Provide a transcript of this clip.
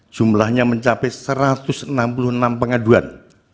jumlahnya mencapai satu ratus enam puluh enam pengaduan